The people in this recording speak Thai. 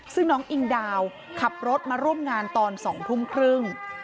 ซึ่งน้องอิงดาวขับรถมาร่วมงานตอน๒ทุ่มครึ่ง